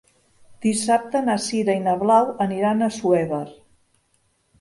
Dissabte na Sira i na Blau aniran a Assuévar.